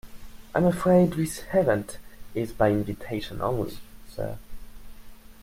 I'm afraid this event is by invitation only, sir.